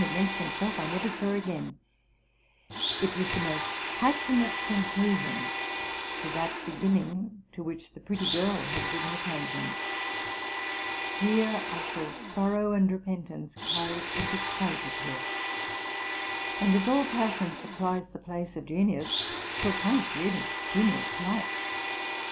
S17 against himself I never saw again: it was the most passionate conclusion to that beginning to which the pretty girl had given occasion. Here I saw sorrow and repentance carried into caricature, and, as all passion supplies the place of gen ius, to a point really genius like.